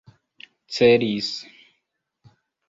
celis